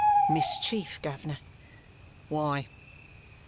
"Mischief, guv'ner." "Why?"